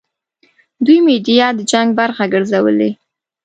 دوی میډیا د جنګ برخه ګرځولې.